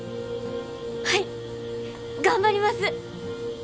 はい頑張ります！